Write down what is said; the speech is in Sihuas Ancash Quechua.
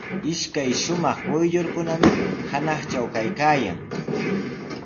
Ishkay shumaq quyllurkunami hunaqtraw kaykaayan.